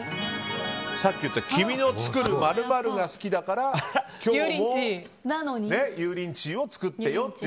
さっき言った君の作る○○が好きだから今日も油淋鶏を作ってよ。